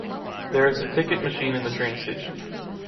there is a ticket machine in the train station.